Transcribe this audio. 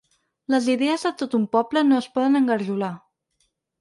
Les idees de tot un poble no es poden engarjolar.